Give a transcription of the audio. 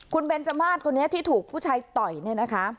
คุณเบนจมาสคนนี้ที่ถูกผู้ชายต่อยเนี่ยนะคะ